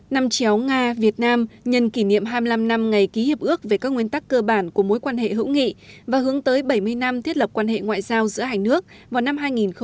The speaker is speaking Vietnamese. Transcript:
năm chéo nga việt nam nhân kỷ niệm hai mươi năm năm ngày ký hiệp ước về các nguyên tắc cơ bản của mối quan hệ hữu nghị và hướng tới bảy mươi năm thiết lập quan hệ ngoại giao giữa hai nước vào năm hai nghìn hai mươi